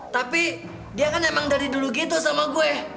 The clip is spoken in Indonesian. tapi dia kan emang dari dulu gitu sama gue